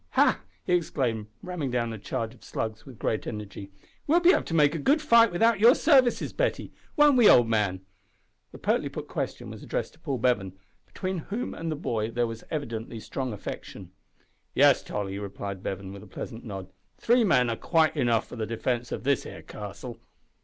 "Ha!" he exclaimed, ramming down a charge of slugs with great energy; "we'll be able to make a good fight without your services, Betty. Won't we, old man?" The pertly put question was addressed to Paul Bevan, between whom and the boy there was evidently strong affection. "Yes, Tolly," replied Bevan, with a pleasant nod, "three men are quite enough for the defence of this here castle."